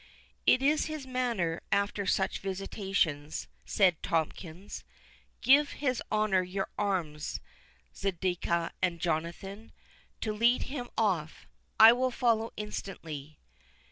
"It is his manner after such visitations," said Tomkins.—"Give his honour your arms, Zedekiah and Jonathan, to lead him off—I will follow instantly.